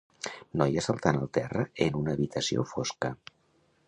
Noia saltant al terra en una habitació fosca.